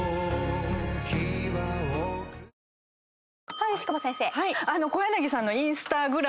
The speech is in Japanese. はい牛窪先生。